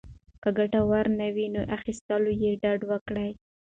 که ګټور نه وي، له اخيستلو ډډه وکړئ.